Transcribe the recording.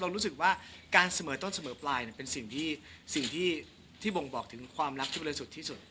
รู้สึกว่าการเสมอต้นเสมอปลายเป็นสิ่งที่บ่งบอกถึงความรักที่บริสุทธิ์ที่สุด